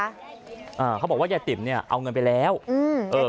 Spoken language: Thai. อ่าเขาบอกว่ายายติ๋มเนี้ยเอาเงินไปแล้วอืมเออ